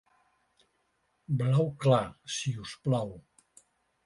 Blau clar, si us plau.